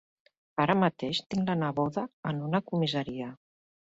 Ara mateix tinc la neboda en una comissaria.